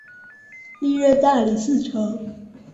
历任大理寺丞。